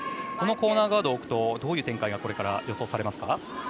このコーナーガードを置くとどういう展開がこれから予想されますか？